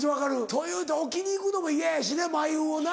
というて置きに行くのもイヤやしね「まいう」をな。